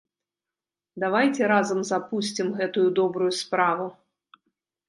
Давайце разам запусцім гэтую добрую справу.